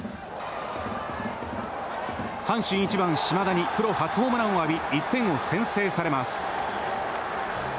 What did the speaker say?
阪神１番、島田にプロ初ホームランを浴び１点を先制されます。